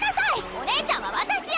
おねえちゃんは私よ。